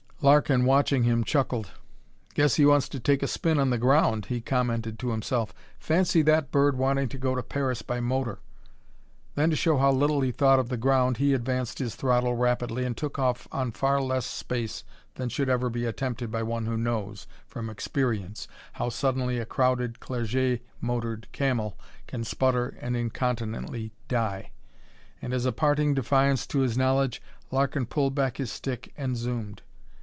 Larkin, watching him, chuckled. "Guess he wants to take a spin on the ground," he commented to himself. "Fancy that bird wanting to go to Paris by motor!" Then to show how little he thought of the ground he advanced his throttle rapidly and took off on far less space than should ever be attempted by one who knows, from experience, how suddenly a crowded Clerget motored Camel can sputter and incontinently die. And as a parting defiance to his knowledge, Larkin pulled back his stick and zoomed.